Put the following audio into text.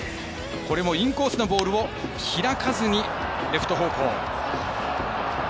これもインコースのボールを開かずにレフト方向。